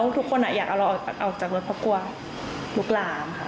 ทุกคนอยากเอาเราออกจากรถเพราะกลัวลุกหลามค่ะ